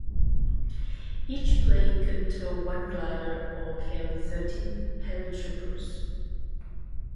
Each plane could tow one glider or carry thirteen paratroopers.